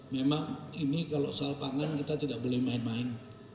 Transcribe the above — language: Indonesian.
memang ini kalau soal pangan kita tidak boleh main main